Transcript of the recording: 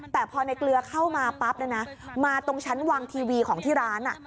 แต่พอในเกลือเข้ามาปั๊บมาตรงชั้นวางทีวีของที่ร้าน